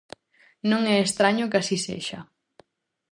Non é estraño que así sexa.